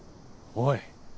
おい。